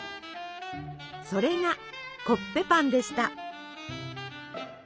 それがコッペパンでした。